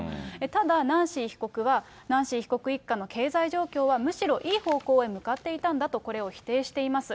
ただ、ナンシー被告は、ナンシー被告一家の経済状況は、むしろいい方向へ向かっていたんだと、これを否定しています。